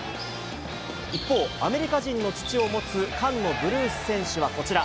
一方、アメリカ人の父を持つ菅野ブルース選手はこちら。